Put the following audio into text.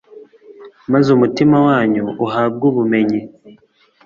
maze umutima wanyu uhabwe ubumenyi